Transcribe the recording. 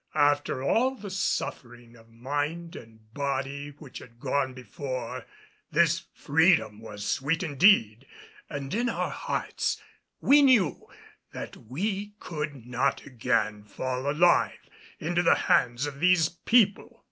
After all the suffering of mind and body which had gone before, this freedom was sweet indeed, and in our hearts we knew that we could not again fall alive into the hands of these people.